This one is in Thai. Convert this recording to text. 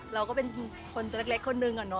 เราก็เป็นคนตัวเล็กคนหนึ่งอะเนาะ